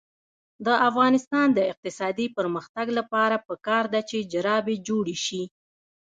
د افغانستان د اقتصادي پرمختګ لپاره پکار ده چې جرابې جوړې شي.